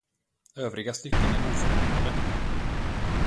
Övriga stycken är oförändrade.